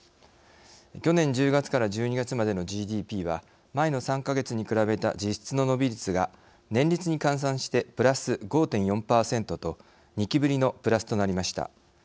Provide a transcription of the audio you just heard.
去年１０月から１２月までのＧＤＰは前の３か月に比べた実質の伸び率が年率に換算してプラス５．４％と２期ぶりのプラスとなりました。